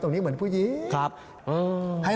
ตรงนี้เหมือนผู้หญิงคือเหมือนผู้หญิงครับโอ้โฮ